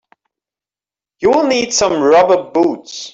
You will need some rubber boots.